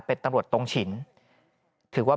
ปี๖๕วันเช่นเดียวกัน